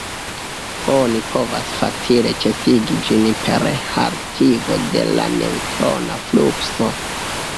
Oni povas facile ĉesigi ĝin per haltigo de la neŭtrona flukso.